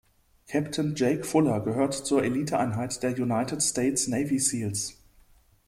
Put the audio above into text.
Captain Jake Fuller gehört zur Eliteeinheit der United States Navy Seals.